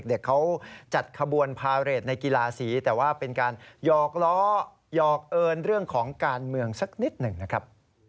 เด็กเขาจัดขบวนพาเรทในกีฬาสีแต่ว่าเป็นการหยอกล้อหยอกเอิญเรื่องของการเมืองสักนิดหนึ่งนะครับ